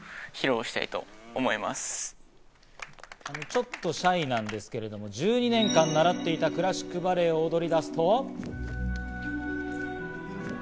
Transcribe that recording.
ちょっとシャイなんですけれども、１２年間習っていたクラシックバレエを踊りだすと。